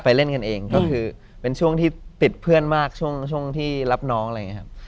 เล่นกันเองก็คือเป็นช่วงที่ติดเพื่อนมากช่วงที่รับน้องอะไรอย่างนี้ครับ